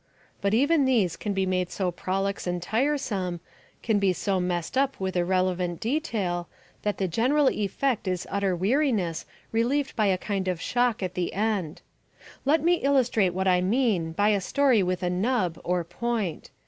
But even these can be made so prolix and tiresome, can be so messed up with irrelevant detail, that the general effect is utter weariness relieved by a kind of shock at the end. Let me illustrate what I mean by a story with a "nub" or point.